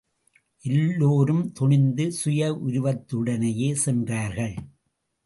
எல்லோரும் துணிந்து சுய உருவத்துடனேயே சென்றார்கள்.